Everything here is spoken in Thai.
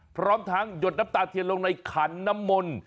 พร้อมทั้งหยดน้ำตาเทียนลงในขันน้ำมนต์